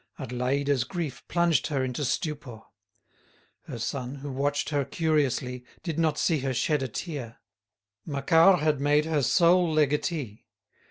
Adélaïde's grief plunged her into stupor. Her son, who watched her curiously, did not see her shed a tear. Macquart had made her sole legatee.